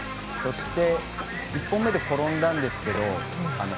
そして１本目で転んだんですが。